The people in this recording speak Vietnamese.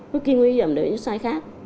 rất kinh nguy hiểm đấy sai khác